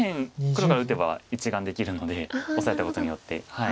黒が打てば１眼できるのでオサえたことによって。